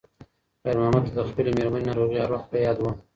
خیر محمد ته د خپلې مېرمنې ناروغي هر وخت په یاد وه.